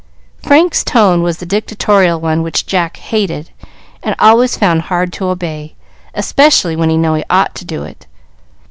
Frank's tone was the dictatorial one, which Jack hated and always found hard to obey, especially when he knew he ought to do it.